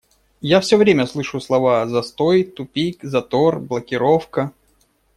Я все время слышу слова "застой", "тупик", "затор", "блокировка".